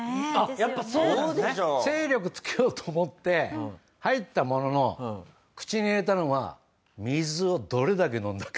精力付けようと思って入ったものの口に入れたのは水をどれだけ飲んだか。